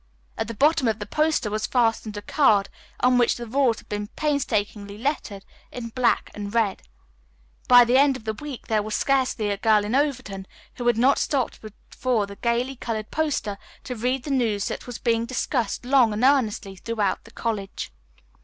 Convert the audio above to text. At the bottom of the poster was fastened a card on which the rules had been painstakingly lettered in black and red. By the end of the week there was scarcely a girl in Overton who had not stopped before the gayly colored poster to read the news that was being discussed long and earnestly throughout the college.